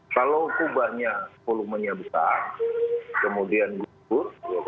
kalau kubahnya volumenya besar kemudian gugur